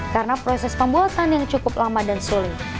karena proses pembuatan yang cukup lama dan sulit